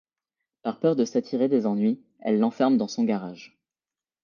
Par peur de s'attirer des ennuis, elle l'enferme dans son garage.